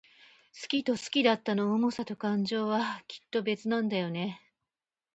好きと好きだったの想さと感情は、きっと別なんだよね。